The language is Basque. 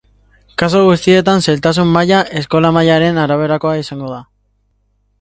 Kasu guztietan, zailtasun maila, eskola-mailaren araberakoa izango da.